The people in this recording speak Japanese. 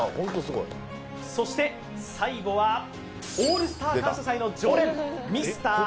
そして最後は「オールスター感謝祭」の常連ミスター